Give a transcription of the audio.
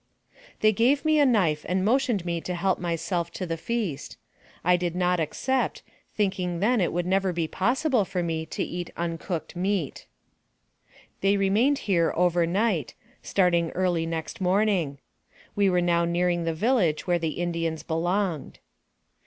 They gave me a knife and motioned me to help my self to the feast. I did not accept, thinking then it would never be possible for me to eat uncooked meat. They remained here over night, starting early next morning. We were now nearing the village where the Indians belonged.